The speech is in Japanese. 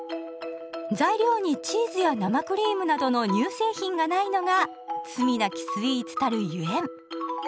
材料にチーズや生クリームなどの乳製品がないのが「罪なきスイーツ」たるゆえん。